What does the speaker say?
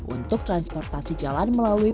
untuk transportasi jalan melalui